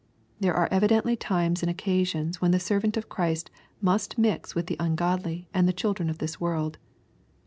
There are evidently times and occasions when the servant of Christ must mix with the ungodly and the children of this world.